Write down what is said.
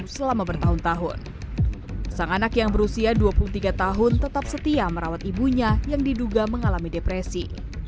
setelah tiga tahun tetap setia merawat ibunya yang diduga mengalami depresi